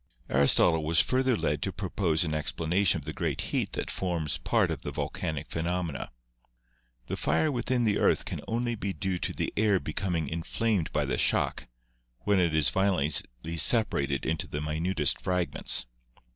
Aristotle was further led to propose an explanation of the great heat that forms part of the volcanic phenomena. "The fire within the earth can only be due to the air becoming inflamed by the shock, when it is vio lently separated into the minutest fragments.